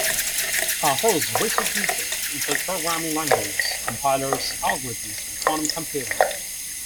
Aho's research interests include programming languages, compilers, algorithms, and quantum computing.